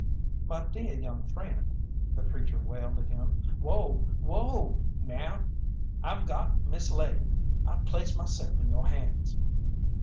"My deah young friend," the preacher wailed at him. "Whoa! Whoa, now! I've got mislaid! I place myself in yo' hands."